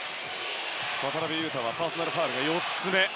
渡邊雄太はパーソナルファウルが４つ目。